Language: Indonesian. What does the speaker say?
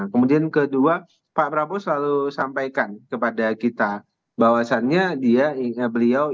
kemudian kedua pak prabowo selalu sampaikan kepada kita bahwasannya beliau